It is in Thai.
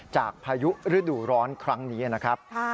พายุฤดูร้อนครั้งนี้นะครับ